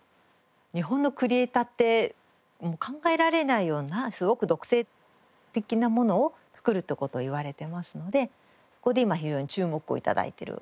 日本のクリエーターって考えられないようなすごく独創的なものを作るって事を言われてますのでそこで今非常に注目を頂いている感じです。